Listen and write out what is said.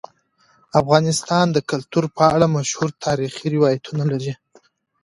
افغانستان د کلتور په اړه مشهور تاریخی روایتونه لري.